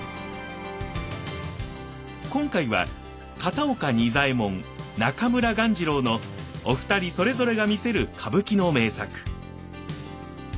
今回は片岡仁左衛門中村鴈治郎のお二人それぞれが魅せる歌舞伎の名作！